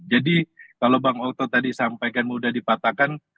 jadi kalau bang oto tadi sampaikan mudah dipatahkan